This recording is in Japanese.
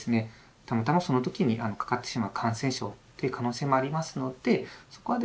たまたまその時にかかってしまう感染症という可能性もありますのでそこはですね